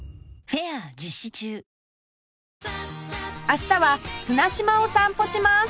明日は綱島を散歩します